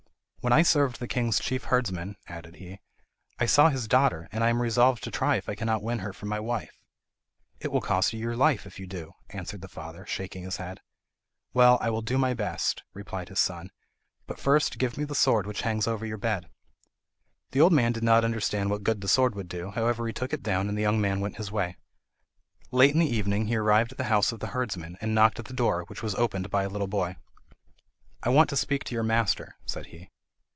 "When I served the king's chief herdsman," added he, "I saw his daughter, and I am resolved to try if I cannot win her for my wife." "It will cost you your life, if you do," answered the father, shaking his head. "Well, I will do my best," replied his son; "but first give me the sword which hangs over your bed!" The old man did not understand what good the sword would do, however he took it down, and the young man went his way. Late in the evening he arrived at the house of the herdsman, and knocked at the door, which was opened by a little boy. "I want to speak to your master," said he.